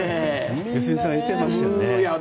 良純さん言ってましたよね。